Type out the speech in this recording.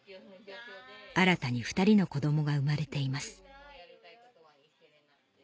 新たに２人の子供が生まれています